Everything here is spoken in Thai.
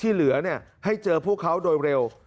ให้เจอพวกเขาโดยเร็ว